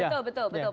iya betul betul